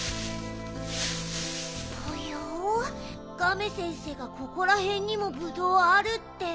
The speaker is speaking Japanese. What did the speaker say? ぽよガメ先生がここらへんにもぶどうあるって。